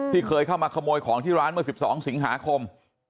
เคยเข้ามาขโมยของที่ร้านเมื่อ๑๒สิงหาคม